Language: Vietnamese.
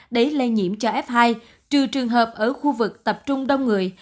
để lây nhiễm cho f hai trừ trường hợp ở khu vực tập trung đông người